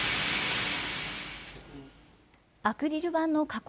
アクリル板の加工